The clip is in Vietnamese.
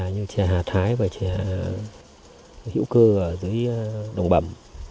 như trè hạt hái và trè hữu cư ở dưới đồng bẩm